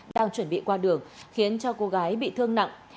đang chuẩn bị qua đường khiến cho cô gái bị thương nặng